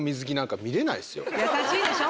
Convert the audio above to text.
優しいでしょ。